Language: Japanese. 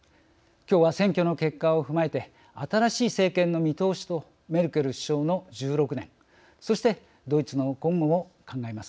きょうは選挙の結果をふまえて新しい政権の見通しとメルケル首相の１６年そしてドイツの今後を考えます。